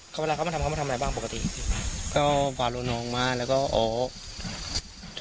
เขามาทำเขามาทำอะไรบ้างปกติพี่ก็บาลวนออกมาแล้วก็ออก